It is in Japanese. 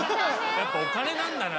やっぱお金なんだな。